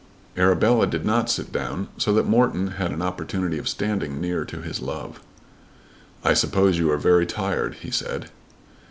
Arabella did not sit down, so that Morton had an opportunity of standing near to his love. "I suppose you are very tired," he said.